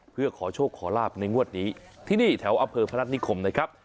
เพื่อขอโชคขอลาบในงวดนี้ที่นี่แถวอำเภอพนัฐนิคมนะครับ